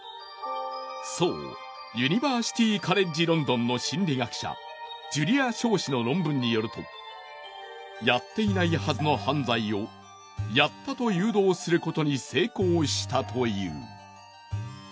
そうユニバーシティ・カレッジ・ロンドンの心理学者ジュリア・ショー氏の論文によるとやっていないはずの犯罪をやったと誘導することに成功したという。